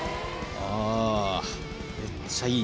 あめっちゃいい！